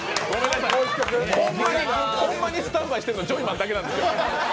ほんまにスタンバイしてるの、ジョイマンだけなんですよ。